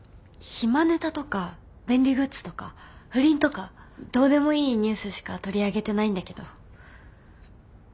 暇ネタとか便利グッズとか不倫とかどうでもいいニュースしか取り上げてないんだけど。